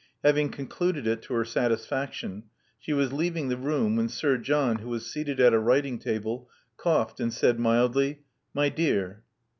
Having con cluded it to her satisfaction, she was leaving the room, when Sir John, who was seated at a writing table, coughed and said mildly: *'My dear."